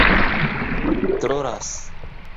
trolas